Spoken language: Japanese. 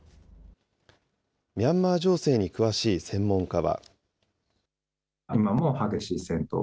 ミャンマー情勢に詳しい専門家は。